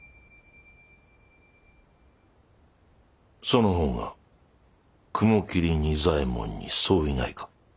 その方が雲霧仁左衛門に相違ないか？